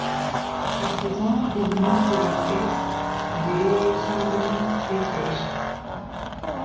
À seize ans il monte l'orchestre des Southern Drifters.